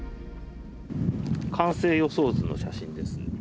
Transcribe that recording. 完成予想図の写真です。